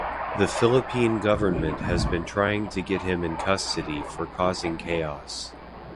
The Philippine government has been trying to get him in custody for causing chaos.